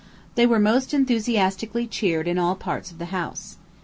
They were most enthusiastically cheered in all parts of the house.